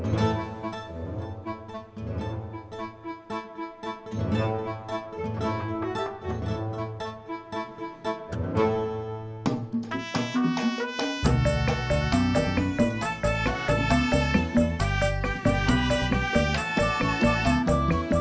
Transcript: lagi marahan ya